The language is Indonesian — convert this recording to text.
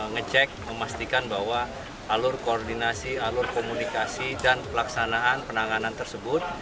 ngecek memastikan bahwa alur koordinasi alur komunikasi dan pelaksanaan penanganan tersebut